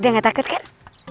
udah gak takut kan